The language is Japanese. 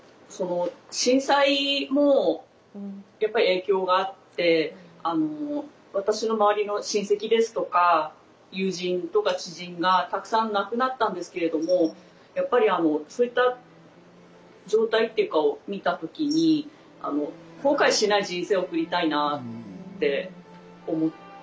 その震災もやっぱり影響があって私の周りの親戚ですとか友人とか知人がたくさん亡くなったんですけれどもやっぱりあのそういった状態っていうかを見た時にって思ってすごい。